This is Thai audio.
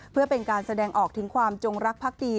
เพื่อเป็นการแสดงออกถึงความจงรักภักดี